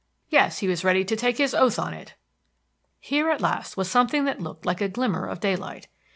Yes, he was ready to take his oath on it. Here, at last, was something that looked like a glimmer of daylight.